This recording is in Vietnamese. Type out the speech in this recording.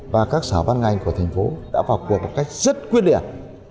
và các xã văn ngành của thành phố đã vào cuộc một cách rất quyết liệt